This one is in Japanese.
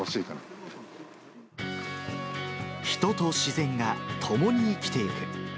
人と自然が共に生きていく。